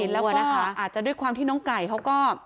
แล้วก็อาจจะด้วยความที่น้องไก่เขาก็